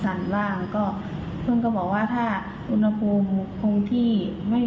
พยาบาลเขาก็ให้ลดอุณหภูมิ